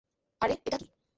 আরে এটা কী?